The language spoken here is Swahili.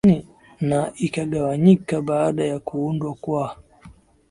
Ujerumani na ikagawanyika baada ya kuundwa kwa